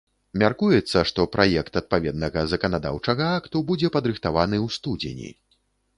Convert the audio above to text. Мяркуецца, што праект адпаведнага заканадаўчага акту будзе падрыхтаваны ў студзені.